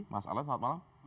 mas alan selamat malam